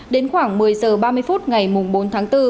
đến khoảng một mươi h ba mươi phút ngày bốn tháng bốn